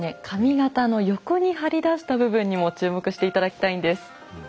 髪形の横に張り出した部分にも注目して頂きたいんです。